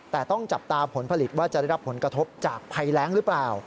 แต่ต้องจับตาผลผลิตว่าจะได้รับผลกระทบจากภัยแรงหรือเปล่า